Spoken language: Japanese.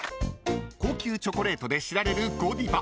［高級チョコレートで知られるゴディバ］